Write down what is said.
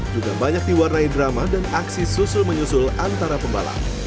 juga banyak diwarnai drama dan aksi susul menyusul antara pembalap